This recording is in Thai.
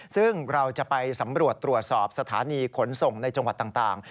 ซึ่งเราจะไปสำรวจตรวจสอบสถานีขนส่งในจังหวัดต่าง